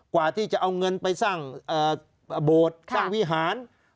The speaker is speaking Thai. กว่าที่จะเอาเงินไปสร้างโบสถ์สร้างวิหาร